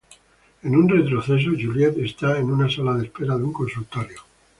En un retroceso, Juliet está en una sala de espera de un consultorio.